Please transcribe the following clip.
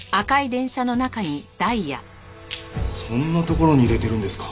そんな所に入れてるんですか？